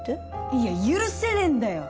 いや許せねえんだよ！